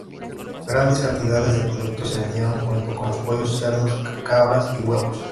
Grandes cantidades de productos se vendieron junto con los pollos, cerdos, cabras y huevos.